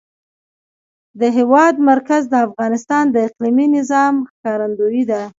د هېواد مرکز د افغانستان د اقلیمي نظام ښکارندوی ده.